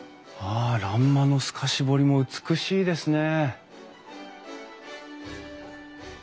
あ欄間の透かし彫りも美しいですね！